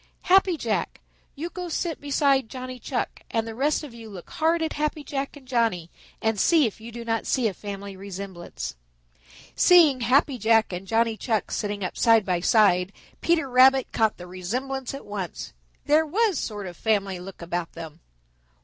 Happy Jack, you go sit beside Johnny Chuck, and the rest of you look hard at Happy Jack and Johnny and see if you do not see a family resemblance." Seeing Happy Jack and Johnny Chuck sitting up side by side, Peter Rabbit caught the resemblance at once. There was sort of family look about them.